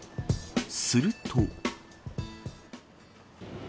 すると。